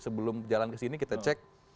sebelum jalan ke sini kita cek